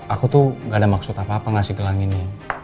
aku tuh gak ada maksud apa apa ngasih gelang ini